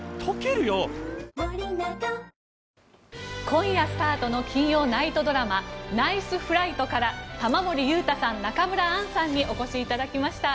今夜スタートの金曜ナイトドラマ「ＮＩＣＥＦＬＩＧＨＴ！」から玉森裕太さん、中村アンさんにお越しいただきました。